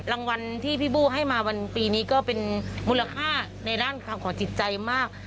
รางวัลที่พี่บู้ให้มาวันปีนี้ก็เป็นมูลค่าในด้านของจิตใจมาก